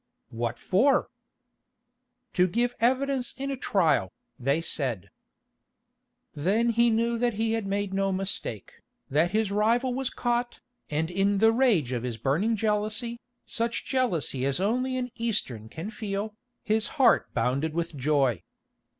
"What for?" "To give evidence in a trial," they said. Then he knew that he had made no mistake, that his rival was caught, and in the rage of his burning jealousy, such jealousy as only an Eastern can feel, his heart bounded with joy.